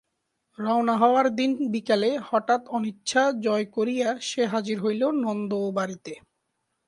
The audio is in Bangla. রওনা হওয়ার দিন বিকালে হঠাৎ অনিচ্ছা জয় করিয়া সে হাজির হইল নন্দও বাড়িতে।